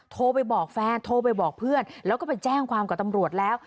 โทรไปบอกแฟนโทรไปบอกเพื่อนแล้วก็ไปแจ้งความกับตำรวจแล้ว